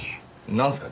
なんすか？